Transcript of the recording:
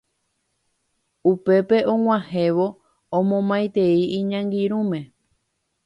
Upépe og̃uahẽvo omomaitei iñangirũme